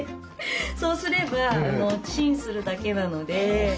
そうすればチンするだけなので。